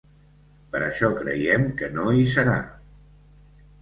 Però això creiem que no hi serà.